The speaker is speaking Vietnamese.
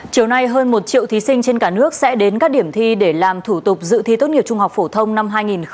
chiều nay hơn một triệu thí sinh trên cả nước sẽ đến các điểm thi để làm thủ tục dự thi tốt nghiệp trung học phổ thông năm hai nghìn hai mươi